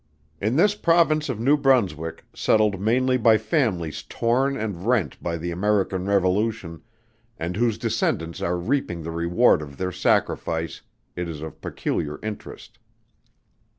In this Province of New Brunswick, settled mainly by families torn and rent by the American revolution and whose descendants are reaping the reward of their sacrifice, it is of peculiar interest.